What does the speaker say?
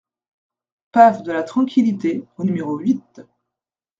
Pav de la Tranquillite au numéro huit